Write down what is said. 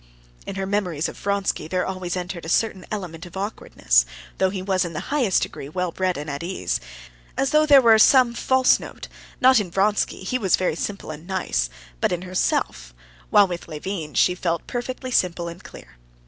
In her memories of Vronsky there always entered a certain element of awkwardness, though he was in the highest degree well bred and at ease, as though there were some false note—not in Vronsky, he was very simple and nice, but in herself, while with Levin she felt perfectly simple and clear.